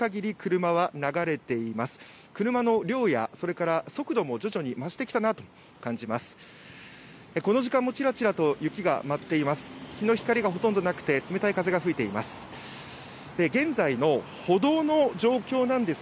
車の量や速度も徐々に増してきたなと感じます。